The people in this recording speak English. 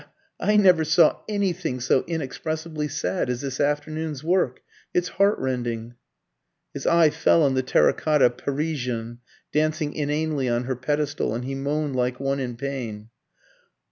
"I I never saw anything so inexpressibly sad as this afternoon's work; it's heartrending." His eye fell on the terra cotta Parisienne dancing inanely on her pedestal, and he moaned like one in pain.